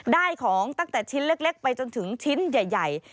ได้ของตั้งแต่ชิ้นเล็กไปจนถึงชิ้นใหญ่